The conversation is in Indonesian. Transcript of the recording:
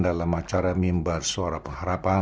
dalam acara mimbar suara pengharapan